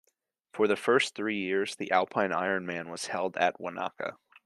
For the first three years, the Alpine Ironman was held at Wanaka.